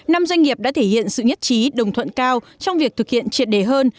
năm doanh nghiệp đã thể hiện sự nhất trí đồng thuận cao trong việc thực hiện triệt đề hơn